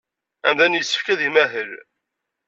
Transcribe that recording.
Amdan yessefk ad imahel.